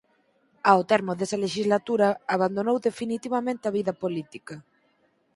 Ao termo desa lexislatura abandonou definitivamente a vida política.